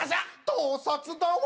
盗撮だわ！